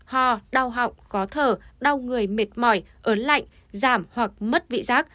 ho đau họng khó thở đau người mệt mỏi ớn lạnh giảm hoặc mất vị giác